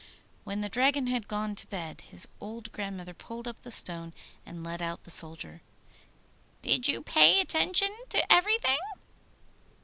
When the Dragon had gone to bed, his old grandmother pulled up the stone and let out the soldier. 'Did you pay attention to everything?